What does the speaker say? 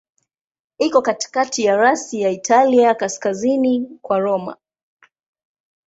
Iko katikati ya rasi ya Italia, kaskazini kwa Roma.